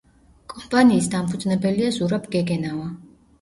კომპანიის დამფუძნებელია ზურაბ გეგენავა.